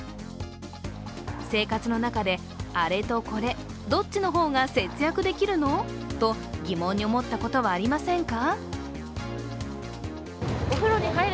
生活の中で、あれとこれ、どっちの方が節約できるの？と疑問に思ったことはありませんか？